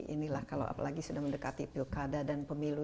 ini lah kalau apalagi sudah mendekati pilkada dan pemilu